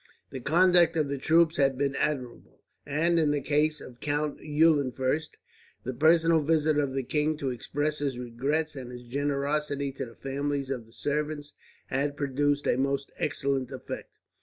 The conduct of the troops had been admirable; and in the case of Count Eulenfurst, the personal visit of the king to express his regrets, and his generosity to the families of the servants, had produced a most excellent effect.